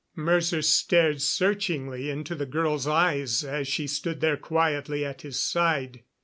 Mercer stared searchingly into the girl's eyes as she stood there quietly at his side.